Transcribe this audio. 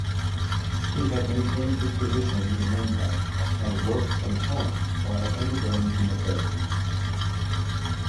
He had maintained his position in Impact and worked from home while undergoing chemotherapy.